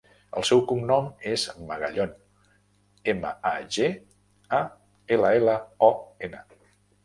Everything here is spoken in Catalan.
El seu cognom és Magallon: ema, a, ge, a, ela, ela, o, ena.